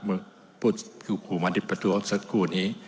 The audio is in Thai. เพราะคุณผู้มันทิบประถูขสักครู่นี้